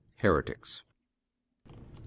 ^Heretics' 7.